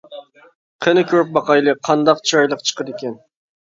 قېنى كۆرۈپ باقايلى قانداق چىرايلىق چىقىدىكىن.